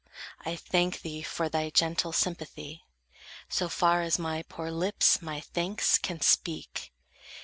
I thank thee for thy gentle sympathy, So far as my poor lips my thanks can speak.